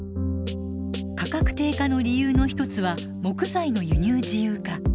価格低下の理由の一つは木材の輸入自由化。